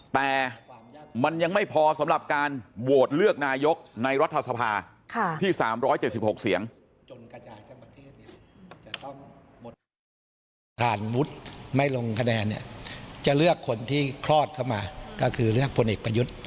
แต่มันยังไม่พอสำหรับการโหวตเลือกนายกในรัฐสภาที่๓๗๖เสียง